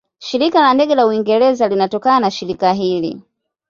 Shirika la Ndege la Uingereza linatokana na shirika hili.